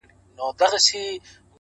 ریښتینی ملګری په سختۍ پېژندل کېږي,